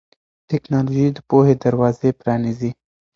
ټیکنالوژي د پوهې دروازې پرانیزي.